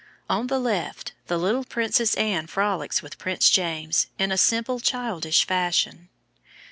On the left the little Princess Anne frolics with Prince James in simple childish fashion.